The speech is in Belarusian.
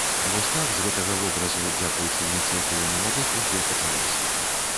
Вось так з гэтага вобразу дзякуючы ініцыятыве маладых усё і пачалося.